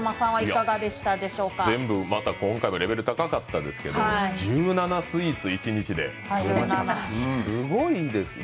全部また今回もレベル高かったですけど１７スイーツを一日で食べましたか、すごいですね。